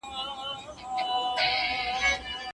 ایا هغوی خپل معلومات شریکوي؟